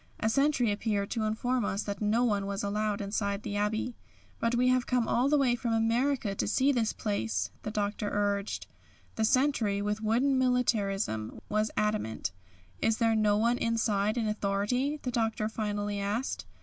A sentry appeared to inform us that no one was allowed inside the Abbey. "But we have come all the way from America to see this place," the Doctor urged. The sentry, with wooden militarism, was adamant. "Is there no one inside in authority?" the Doctor finally asked.